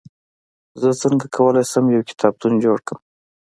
زه څنګه کولای سم، یو کتابتون جوړ کړم؟